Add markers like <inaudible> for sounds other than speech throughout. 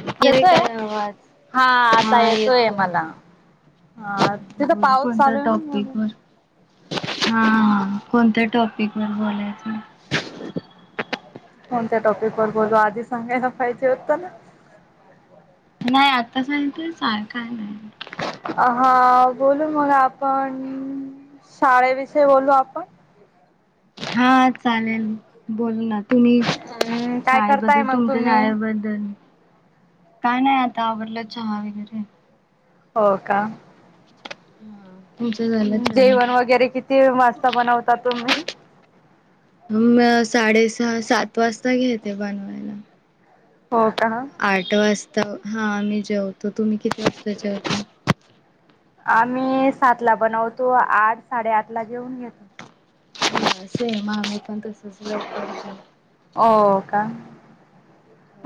करे येतोय काय आवाज हा येतोय. <unintelligible> हा तिथं पाऊस चालू आहे ना म्हणून हा कोणत्या टॉपिक वर बोलायचं. कोणत्या टॉपिक वर बोलू आधी सांगायला पाहिजे. नाही आता सगित, हा बोलू मग आपण शाळेविषयी बोलू आपण, हा चालेल, हम्म काय करताय शाळेबद्दल मग तुमच्या तुम्ही शाळेबद्दल, काय नाही आता आवडलं चहा वगैरे, हो का, हम जेवण वगैरे किती वाजता बनवता तुम्ही. म साडेसहा सात वाजता घेते बनवायला. हो का आठ वाजता हा आम्ही जेवतो. तुम्ही किती वाजता जेवता. आम्ही सातला बनवतो. आठ साडेआठला जेऊन घेतो. <unintelligible> हो का.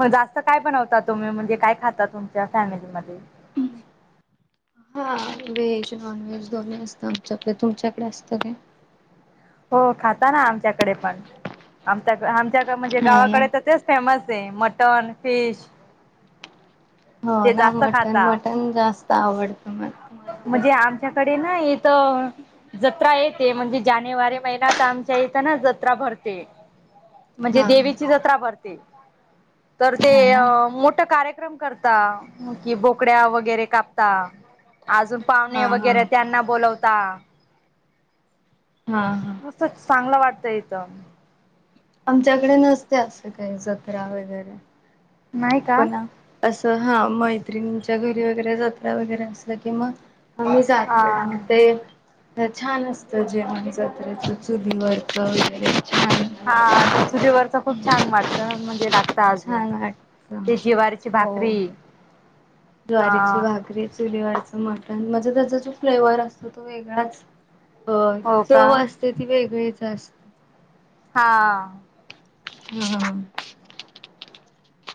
मग जास्त काय बनवतात. तुम्ही म्हणजे काय खाता तुमच्या फॅमिलीमध्ये. हा व्हेज नॉन व्हेज दोन्ही असत आमच्याकडे. तुमच्याकडे असतं काय? हो खाता ना आमच्याकडे पण. आमच्या आमच्या म्हणजे हा ना. गावाकडे तर तेच फेमस मटन, फिश हो ते ना जास्त मटन. खाता मटण जास्त आवडत. म्हणजे आमच्याकडे ना इथ जत्रा येते. म्हणजे जानेवारी महिन्यात आमच्या इथं ना जत्रा भरते. म्हणजे हा. देवीची जत्रा भरते. तर हा ते ना. मोठ कार्य करम करता कि बोकड्या वगैरे कापता. अजून पाहुणे हा हा वगैरे त्यांना बोलवता. हा हा असं चांगलं वाटतं इथ. आमच्याकडे नसते असं काही जत्रा वगैरे. नाही का पण असं हा मैत्रिणींच्या घरी वगैरे जत्रा वगैरे असल्या कि मग आम्ही जातो मग हा. ते छान असतं जेवण जत्रेच चुलीवरच वगैरे. हा छान ते चुलीवरच खूप छान वाटत. म्हणजे लागत अजून. छान वाटतं ते जिवारीची भाकरी. हो. हा ज्वारीची भाकरी चुलीवरचं मटण. म त्याचा जो फ्लेवर असतो तो वेगळाच. अ हो का चव असते ती वेगळीच. <unintelligible> हा हम्म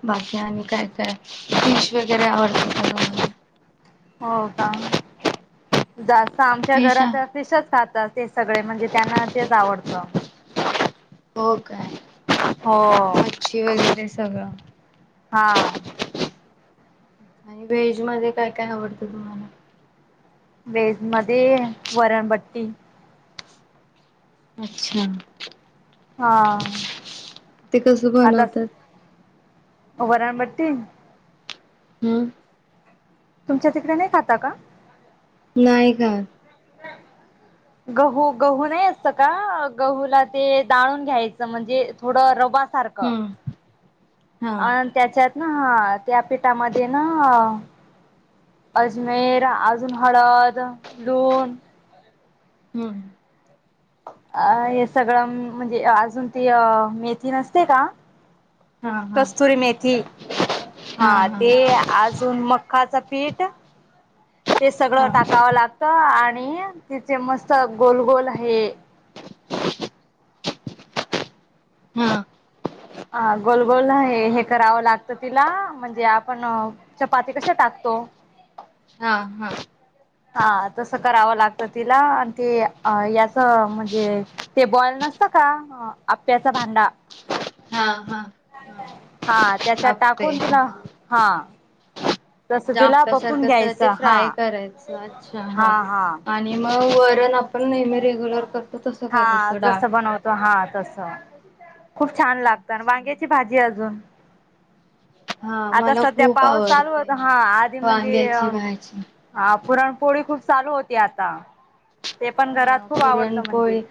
बाकी आणि काय काय इंग्लिश वगैरे आवडत हो का जास्त आमच्या फिश घरात आहे फिशच खातात. ते सगळे म्हणजे त्यांना तेच आवडतं. हो काय. हो मच्छी वगैरे स हा आणि व्हेज मध्ये काय काय आवडतं तुम्हाला. वेज मध्ये वरणबट्टी. अच्छा हा ते कसं बनवतात. वराण बट्टी. हम्म तुमच्या तिकडे नाही खाता का. नाही खात. गहू गहू नाही असत का. गहूला ते दाळून घ्यायचं म्हणजे थोडं रवा हम्म हा अन् त्याच्यात हा त्या पेठामध्ये ना अजमेर अजून हळद, लूण हम्म अ हे सगळं म्हणजे अजून ती अ मेथी नसते का हा हा कस्तुरी मेथी हा ते अजून मकाचं पीठ ते सगळं हा टाकावं लागत. आणि तिचे मस्त गोलगोल हे हा हा गोलगोल हे करावं लागतं तिला म्हणजे आपण चपाती कश टाकतो हा हा हा तस करावं लागत तिला आणि ते याच म्हणजे ते बॉल त का आप्याचा भांडा हा हा हा हा त्याच्यात आपे टाकून हा तिला हा- तसं तिला बपून आप्यासारखं तर ते घ्यायचं हा फ्राय करायच अच्छा हा आणि मग व- ण आपण नेहमी रेग्युलर करतो तस हा करायचं डाल- जसं बनवतो हा तसं खूप छान लागत वांग्याची भाजी अजून- हा आता मला सध्या खूप पाऊस चालू आवडते होता हा आधी वांग्याची म्हणजे- भाजी पुरणपोळी खूप चालू होती आता. ते पण हा घरात खूप आवडतं म्हणजे पुरणपोळी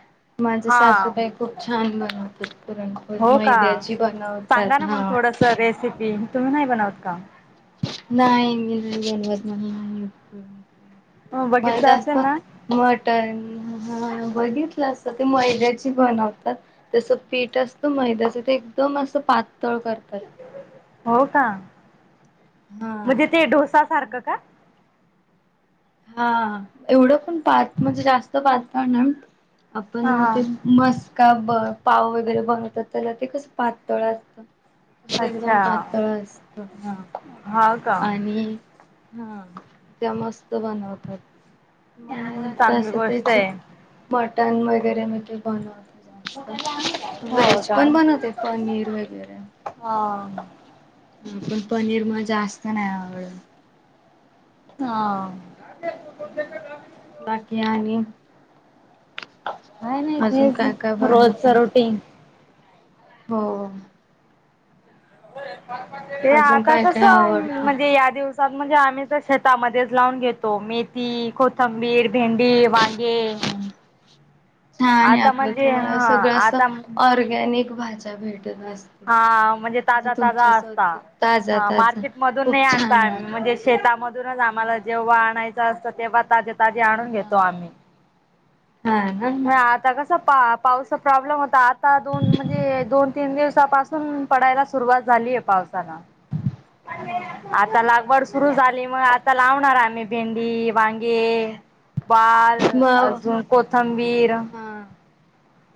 माझ हा सासूबाई खूप छान बनवते पुरणपोळी. हो का मैद्याची बनव. सांगा ना मग थोडस रेसिपी तुम्ही नाही बनवत का? नाही मी नाही बनवत मला नाही येतं हो म बघितलं जास्त असेल ना मटन हा बघितलं? ते मैद्याची बनवतात तस पीठ असतं मैद्याच ते एकदम अस पा- तळ करतात त्या हो का हा. म्हणजे ते डोसा आणि सारखं का- हा एवढं पण पात म्हणजे जास्त पातळ नाही हा आपण हा ते मस्का- ब पाव वगैरे बनवतात त्याला ते कसं पातळ असत. तस अच्छा एकदम पातळ असत हा हा का आणि- हा त्या मस्त बनवतात. मला जास्त चांगली अस ते गोष्ट आहे चिक मटन वगैरे मी ते बनवते हो व्हेज का? पण बनवते पनीर वगैरे- हा ह पण पनीर मग जास्त नाही आवडत? हा बाकी आनी काय नाही तेच काय काय रोजच बनवता रुटिंग. हो ते अजून आता काय कस काय आवडतं म्हणजे या दिवस- म्हणजे आम्ही तर शेतामध्येच लावून घेतो मेथी, कोथंबीर, भेंडी वांगे. हा छान आणि आता आपलं म्हणजे तुम्हाला हा सगळं आता ऑरगॅनिक भाज्या भेट- हा म्हणजे ताजा ताजा असता स्वतः ताजा हा ताजा मार्केट मधून नाही खूप आणता छान आम्ही म्हण- ते लागतात शेतामधूनच आम्हाला हा जेव्हा आणायचं असतं तेव्हा ताजे ताजे आणून घेतो हा आम्ही. हा आता कसं पा पावसाचा प्रॉब्लेम होता आता दोन म्हणजे दोन तीन दिवस? आतापासुन पडायला सुरुवात झालीय पावसाला हो ना आता लागवड सुद्धा- सुरु झाली मग आता लावणार आम्ही भेंडी वांगे बाल म हा अजून कोथंबीर हा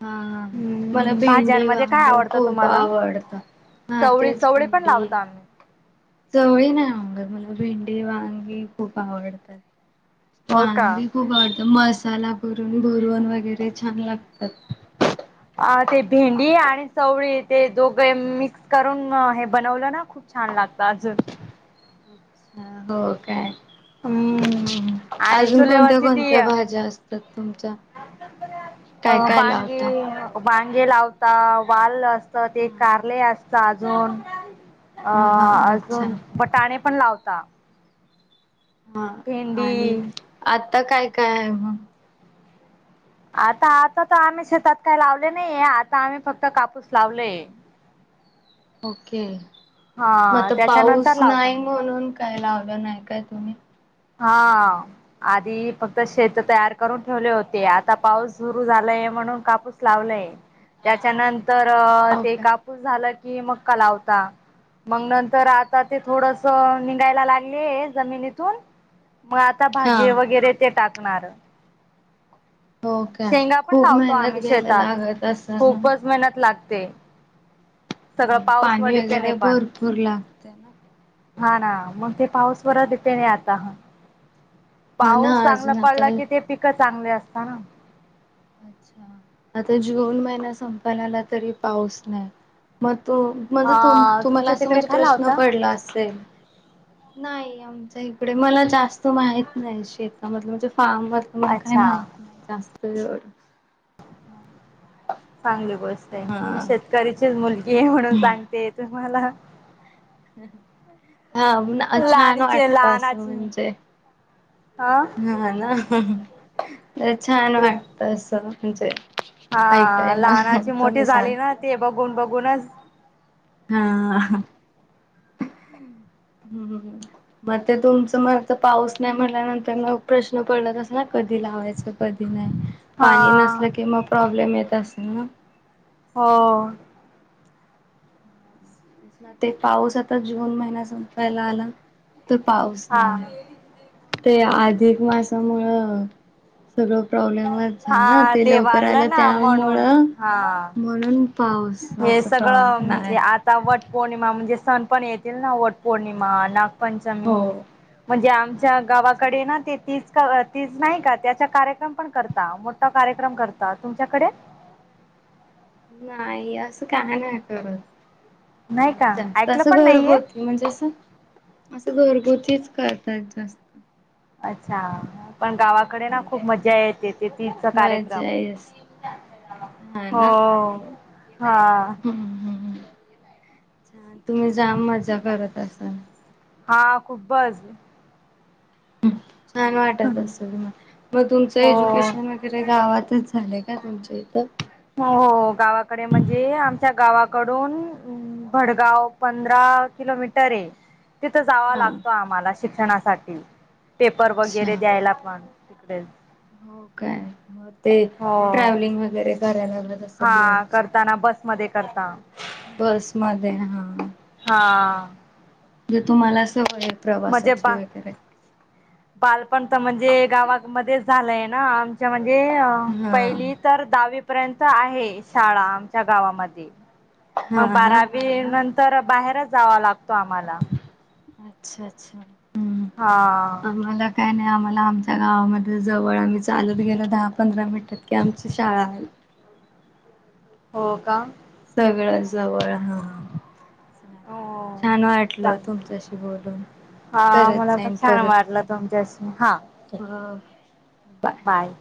हा मला हम्म भेंडी भाज्यांमध्ये वांग काय आवडतं खूप तुम्हाला आवडत- ह चवळी तेच चवळी पण भेंडी लावतो आम्ही चवळी नाही आवडत मला भेंडी वांगी खूप आवडतात. हो का वांगी खूप आवडतं मसाला- करून भरवण वगैरे छान लागतात. अ ते भेंडी आणि चवळी ते दोघे मिक्स करून हे बनवलं ना खूप छान लागत. ताज अच्छा हो काय? हम्म आणि अजून कोणत्या चुलेवरची ती कोणत्या अ भाज्या असतात तुमच्या- अ काय काय लावता? वांगे बांगे लावता वाल असत ते कारले असत अजून? अ ह हा अच्छा अजून बटाणे पण लावता हा आणि भेंडी आता काय काय आहे मग आता आता तर आम्ही शेतात काही लावले नाही आता आम्ही फक्त कापूस लावलेय ह े हा मता पाऊस त्याच्यानंतर लावता नाही म्हणजे म्हणून काय लावलं नाही काय तुम्ही हा आधी फक्त शेत तयार करून ठेवले होते आता पाऊस सुरू झालाय म्हणून कापूस लावला त्याच्यानंतर हो ते काय? कापूस झालं की मक्का लावता मग नंतर आता ते थोडस निघायला लागले जमिनीतून मग आता हा भाजी वगैरे ते टाकणार हो काय शेंगा पण खूप लावतो मेहनत आम्ही घ्यायला शेतात लागत असेल ना? खूपच मेहनत लागते सगळं हो पाऊस वर पाणी डिपेंड आहे वगैरे पाणी भरपूर लागते ना? हा ना मग ते पाऊस वर येते नाही आता हा पाऊस ना चांगला अजून आता पडला की ते पिकं चांगली असत ना अच्छा आता जून महिना संपाला आला तरी पाऊस नाही मग त म्हणजे अ तुम्हाला तुमच्या असं तिकडे म्हणजे काय प्रश्न लावता? पडला असेल नाही आमच्या इकडे मला जास्त माहित नाही शेतामधलं म्हणजे फारम भलं म काही अच्छा. माहित नाही जास्त एवढ चांगली गोष्ट आहे मी शेतकरीचीच मुलगी आहे म्हणून सांगते तुम्हाला हा छान लहानीचे वाटत असं लहानाची म्हणजे अ हा ना तर छान वाटत असं म्हणजे हा ऐकायला लहानाची मोठी तुम्ही झाली सांग ना ते बघून बघूनच हा ह् मग ते तुमचं मरत पाऊस नाही म्हटल्यानंतर मग प्रश्न पड अस ना कधी लावायच कधी नाही हा पाणी नसल कि म प्रॉब्लेम येत असेल ना हो स ना ते पाऊस आता जून महिना संपायला आला तर पाऊस हा नाही ते अधिक मासामुं सगळं प्रॉब्लेमच झालं ना हा ते लवकर आलं वाढलं ना म्हणून त्यामुळं हा. म्हणून हे पाऊसाच प्र सगळं नाही म्हणजे आता वट पौर्णिमा म्हणजे सण पण येतील ना वट पौर्णिमा नाग पंचमी हो. म्हणजे आमच्या नागपंचमी. गावाकडे ना ते तीच तीच नाही का त्याचा कार्यक्रम पण करता मोठा कार्यक्रम करता तुमच्याकडे नाही अस असं काण नाही एवढं का जास्त ऐकलं असं पण घरग नाहीये होत म्हणजे असं असं घरगत तेच करतात जास्त अच्छा पण गावाकडे ना खूप मज्जा येते शेतीचा कार्यक्रम मजा येस हा हो ना. हा ्छ तुम्ही जाम मजा करत असाल हा खूपबज छान वाटत असत तम्हाला मग तुमचं हो एज्युकेशन वगरे गावातच झालं का पमच्या तर हो हो गावाकडे म्हणजे आमच्या गावाकडून भडगाव पंधरा किलोमीटर आहे तिथं जावा हा लागतो आम्हाला शिक्षणासाठी पेपर वगैरे अच्छा. द्यायला पण तिकडेच हो काय मग ते हो ट्रॅव्हलिंग वगैरे करायलाग हा करताना बसमध्ये करता बस म. हा म्हे तुम्हाला सवय म्हणजे प्रवासाची बा वगैरे बालपण तर म्हणजे गावामध्येध्येच झालंय ना म्हणजे हा पहिली तर दहावी पर्यंत आहे शाळा आमच्या गावामध्ये मग हा ना बारावी नंतर बाहेरच जावा लागतो आम्हाला. अच्छा अच्छा ह् हा आम्हाला काय नाही आम्हाला ला आमच्या गावामध्ये जवळ आम्ही चालत गेलं दहा पंधरा मिनिटात की आमची शाळा आहे हो का सगळ्या जवळ हा हो चाले छान वाटलं चांग तुमच्याशी बोलून हा करत मला पण जाईन छान परत वाटलं फोन तुमच्याशी हा हो बाय.